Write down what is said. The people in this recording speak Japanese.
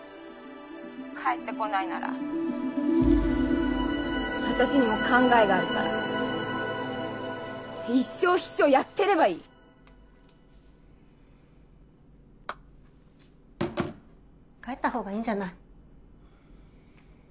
☎帰ってこないなら私にも考えがあるから一生秘書やってればいい帰ったほうがいいんじゃない？